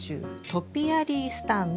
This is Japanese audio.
トピアリースタンド？